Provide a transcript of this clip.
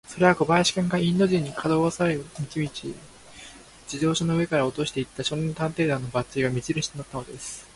それは小林君が、インド人に、かどわかされる道々、自動車の上から落としていった、少年探偵団のバッジが目じるしとなったのです。